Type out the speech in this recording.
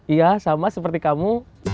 iya sama seperti kamu